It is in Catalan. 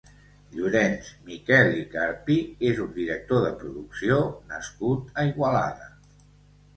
Llorenç Miquel i Carpi és un director de producció nascut a Igualada.